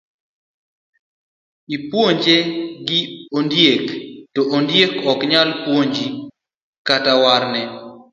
Ipuonje gi ondiek to ondiek ok nyal puonji kata werne.